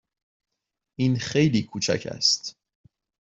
این خیلی کوچک است.